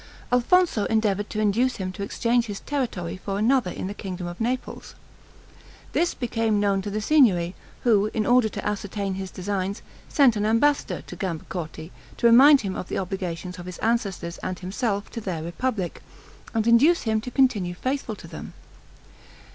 Alfonso endeavored to induce him to exchange his territory for another in the kingdom of Naples. This became known to the Signory, who, in order to ascertain his designs, sent an ambassador to Gambacorti, to remind him of the obligations of his ancestors and himself to their republic, and induce him to continue faithful to them.